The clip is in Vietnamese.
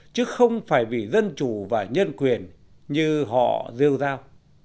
chứ không phải vì dân chủ và nhân quyền như họ rêu rao